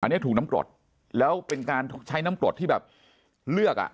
อันนี้ถูกน้ำกรดแล้วเป็นการใช้น้ำกรดที่แบบเลือกอ่ะ